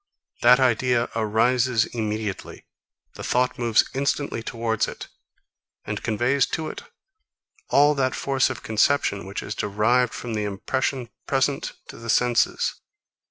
That idea arises immediately. The thought moves instantly towards it, and conveys to it all that force of conception, which is derived from the impression present to the senses.